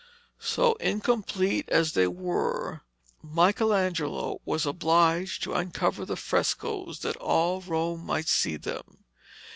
So, incomplete as they were, Michelangelo was obliged to uncover the frescoes that all Rome might see them.